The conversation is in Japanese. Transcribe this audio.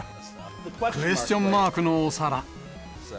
クエスチョンマークのお皿。